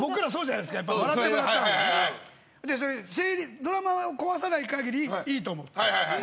ドラマを壊さない限りいいと思ってる。